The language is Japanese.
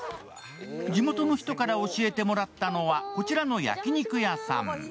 地元の人から教えてもらったのはこちらの焼き肉屋さん。